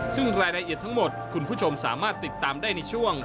ซึ่งรายละเอียดทั้งหมดคุณผู้ชมสามารถติดตามได้ในช่วง